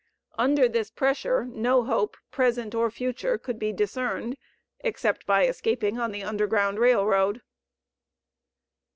Under this pressure no hope, present, or future, could be discerned, except by escaping on the Underground Rail Road.